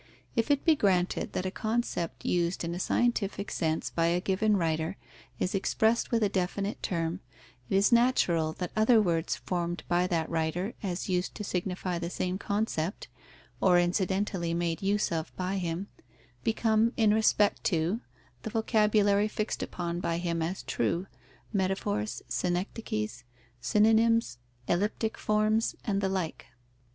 If it be granted that a concept used in a scientific sense by a given writer is expressed with a definite term, it is natural that other words formed by that writer as used to signify the same concept, or incidentally made use of by him, become, in respect to the vocabulary fixed upon by him as true, metaphors, synecdoches, synonyms, elliptic forms, and the like.